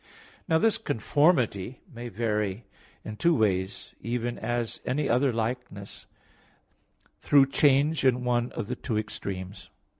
Now this conformity may vary in two ways, even as any other likeness, through change in one of the two extremes.